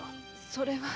それは。